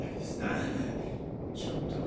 あちょっと。